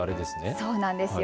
そうなんですよ。